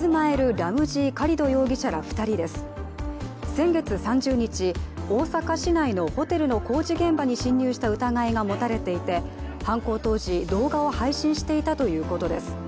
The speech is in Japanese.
先月３０日、大阪市内のホテルの工事現場に侵入した疑いが持たれていて犯行当時、動画を配信していたということです。